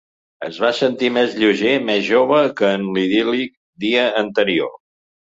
Es va sentir més lleuger, més jove, que en l'idíl·lic dia anterior.